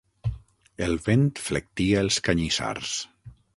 El vent flectia els canyissars.